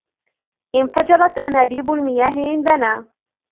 انفجرت أنابيب المياه عندنا.